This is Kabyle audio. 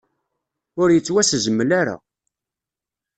Ur yettwasezmel ara.